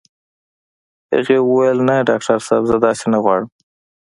هغې وويل نه ډاکټر صاحب زه داسې نه غواړم.